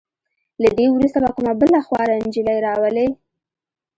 له دې وروسته به کومه بله خواره نجلې راولئ.